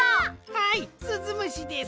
はいすずむしです。